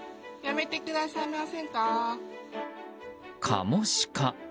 カモシカ。